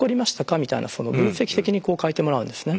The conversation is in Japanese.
みたいな分析的に書いてもらうんですね。